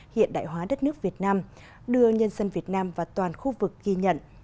hiện đại hóa đất nước việt nam đưa nhân dân việt nam và toàn khu vực ghi nhận